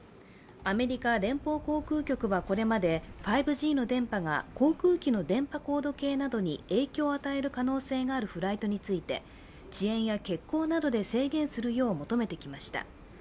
アメリカ連邦航空局はこれまで５Ｇの電波が航空機の電波高度計などに影響を与える可能性があるフライトについて遅延や欠航などで制限するよう求めてきました。